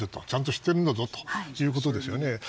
ちゃんと知っているんだぞということですよね。